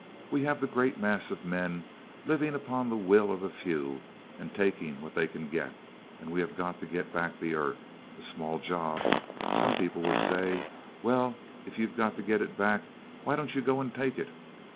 We have the great mass of men living upon the will of a few and taking what they can get, and we have got to get back the earth. A small job. Some people would say, "Well, if you have got to get it back why don't you go and take it?"